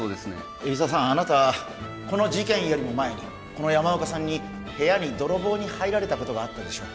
海老沢さんあなたこの事件よりも前この山岡さんに部屋に泥棒に入られたことがあったでしょ？